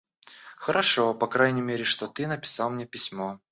Хорошо, по крайней мере, что ты написал мне письмо.